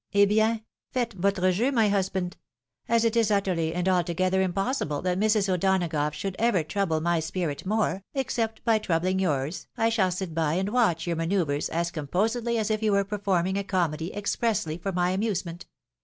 Eh hien ! Faites votre jeu, my husband 1 As it is utterly and altogether impossible that Mrs. O'Dona gough should ever trouble my spirit more, except by troubhng yours, I shall sit by and watch your manoeuvres as composedly as if you were performing a comedy expressly for my amusement.